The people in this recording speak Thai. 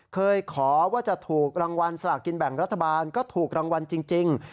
เคยขอว่าจะถูกรางวัลสลากินแบ่งรัฐบาลก็ถูกรางวัลจริง